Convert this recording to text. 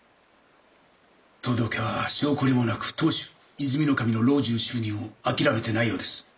藤堂家は性懲りもなく当主和泉守の老中就任を諦めてないようです。